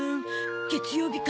月曜日か。